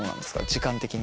時間的に。